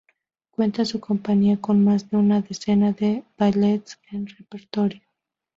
Cuenta su compañía con más de una decena de ballets en repertorio.